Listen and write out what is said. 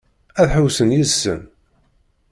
Ad ḥewwsen yid-sen?